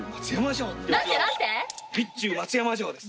備中松山城です